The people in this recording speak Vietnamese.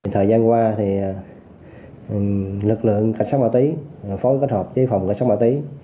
thời gian qua lực lượng cảnh sát ma túy phối kết hợp với phòng cảnh sát ma túy